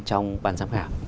trong bàn giám khảo